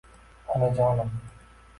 «Onajonim